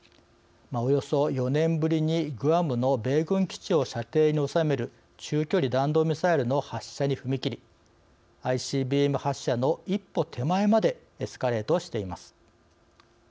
およそ４年ぶりにグアムの米軍基地を射程に収める中距離弾道ミサイルの発射に踏み切りＩＣＢＭ発射の一歩手前までエスカレートしています。